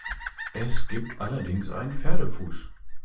Es gibt allerdings einen Pferdefuß.